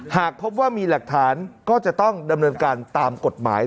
หากพบว่ามีหลักฐานก็จะต้องดำเนินการตามกฎหมาย